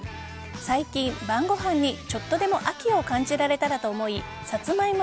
最近、晩ごはんにちょっとでも秋を感じられたらと思いサツマイモ